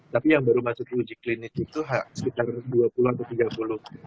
tapi yang baru masuk uji klinis itu sekitar dua puluh atau tiga puluh